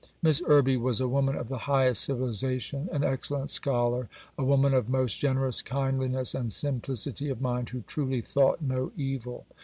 Miss Irby was a woman of the highest cultivation, an excellent scholar; a woman of most generous kindliness and simplicity of mind who truly thought no evil.